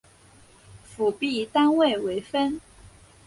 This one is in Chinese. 辅币单位为分。